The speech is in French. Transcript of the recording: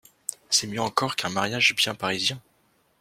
C'est mieux encore qu'un mariage bien parisien.